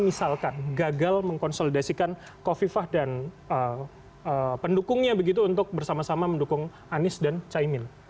misalkan gagal mengkonsolidasikan kofifah dan pendukungnya begitu untuk bersama sama mendukung anies dan caimin